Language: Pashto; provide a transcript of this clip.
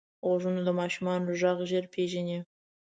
غوږونه د ماشوم غږ ژر پېژني